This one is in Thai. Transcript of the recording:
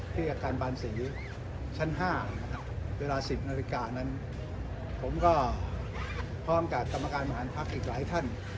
ที่อาการบรรษีชั้น๕เวลา๑๐นาฬิกานั้นผมก็พร้อมกับกรรมการมหาลพักษณ์อีกหลายท่าน